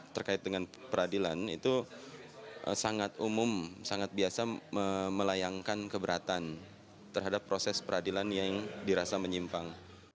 terkait dengan peradilan itu sangat umum sangat biasa melayangkan keberatan terhadap proses peradilan yang dirasa menyimpang